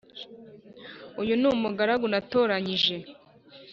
Uyu ni umugaragu natoranyije